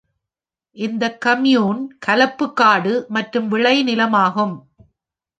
இந்த கம்யூன், கலப்பு காடு மற்றும் விளைநிலமாகும்.